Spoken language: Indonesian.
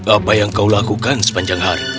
apa yang kau lakukan sepanjang hari